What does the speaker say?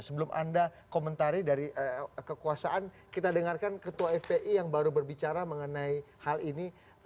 sebelum anda komentari dari kekuasaan kita dengarkan ketua fpi yang baru berbicara mengenai hal ini